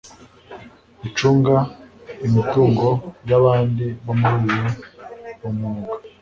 ucunga imitungo y abandi bo muri uyu umwuga